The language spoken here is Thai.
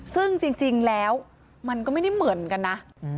ซึ่งจริงแล้วมันก็ไม่ได้เหมือนกันนะ